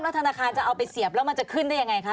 ธนาคารจะเอาไปเสียบแล้วมันจะขึ้นได้ยังไงคะ